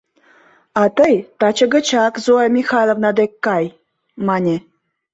— А тый таче гычак Зоя Михайловна дек кай, — мане.